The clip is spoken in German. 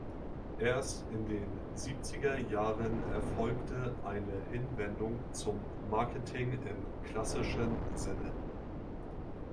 Erst in den siebziger Jahren erfolgte eine Hinwendung zum Marketing im klassischen Sinne.